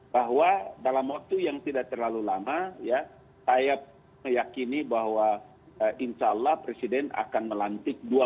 bahwa dalam waktu yang tidak terlalu lama ya saya meyakini bahwa insya allah presiden akan melantik